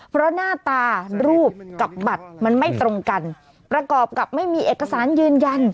เพราะหน้าตารูปกับบัตรมันไม่ตรงกันประกอบกับไม่มีเอกสารยืนยัน